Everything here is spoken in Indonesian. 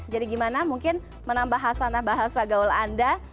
jadi gimana mungkin menambah hasanah bahasa gaul anda